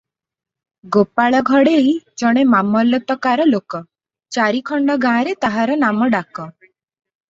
ଗୋପାଳ ଘଡ଼େଇ ଜଣେ ମାମଲତକାର ଲୋକ, ଚାରିଖଣ୍ଡ ଗାଁରେ ତାହାର ନାମ ଡାକ ।